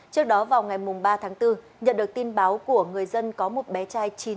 trước đó vào ngày ba tháng bốn nhận được tin báo của người dân có một bé trai